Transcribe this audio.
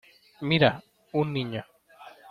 ¡Mira! un niño.